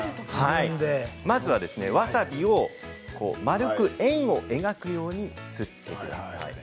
まずは、わさびを丸く円を描くようにすってください。